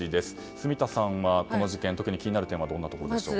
住田さんはこの事件特に気になる点はどういうところですか。